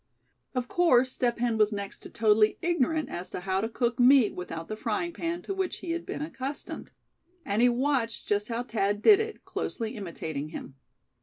Of course Step Hen was next to totally ignorant as to how to cook meat without the frying pan to which he had been accustomed. And he watched just how Thad did it, closely imitating him.